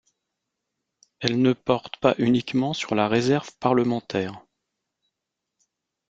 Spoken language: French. Elle ne porte pas uniquement sur la réserve parlementaire.